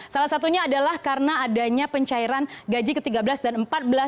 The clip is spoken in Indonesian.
salah satunya adalah karena adanya pencairan gaji ke tiga belas dan ke empat belas